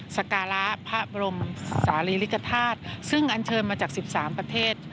สการะพระบรมศาลีลิกธาตุซึ่งอันเชิญมาจาก๑๓ประเทศ